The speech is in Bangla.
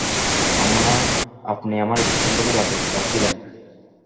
আপনি আমার স্ত্রী সম্পর্কে জানতে চাচ্ছিলেন।